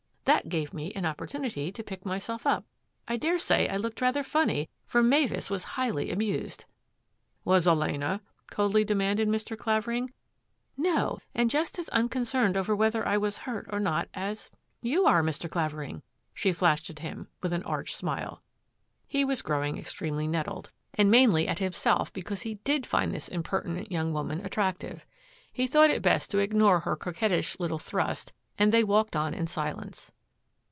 That gave me an opportunity to pick myself up. I daresay I looked rather funny, for Mavis was highly amused." "Was Elena?" coldly demanded Mr. Claver ing. " No, and just as unconcerned over whether I was hurt or not as — you are, Mr. Clavering," she flashed at him, with an cu'ch smile. He was growing extremely nettled, and mainly CROSS PURPOSES 166 at himself because he did find this impertinent young woman attractive. He thought it best to ignore her coquettish little thrust and they walked on in silence.